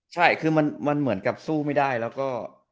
ใช่คือมันเหมือนกับสู้ไม่ได้แล้วก็